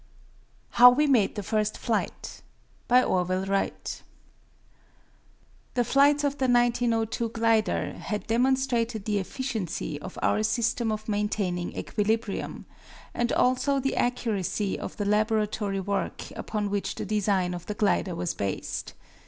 How We Made the First Flight By Orville Wright The flights of the 1902 glider had demonstrated the efficiency of our system of maintaining equilibrium, and also the accuracy of the laboratory work upon which the design of the glider was based.